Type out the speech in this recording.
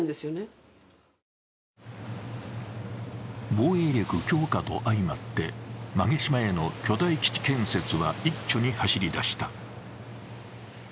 防衛力強化と相まって馬毛島への巨大基地建設は一気に走りだした。